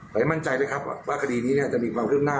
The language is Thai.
แต่ยังมั่นใจเลยครับว่าคดีนี้จะมีความคืบหน้า